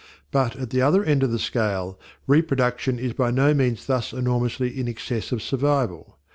But at the other end of the scale, reproduction is by no means thus enormously in excess of survival.